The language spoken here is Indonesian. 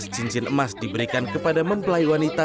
satu ratus delapan belas cincin emas diberikan kepada mempelai wanita